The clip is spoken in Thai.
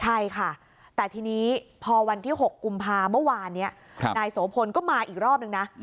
ใช่ค่ะแต่ทีนี้พอวันที่๖กุมภาเมื่อวานนี้นายโสพลก็มาอีกรอบนึงนะ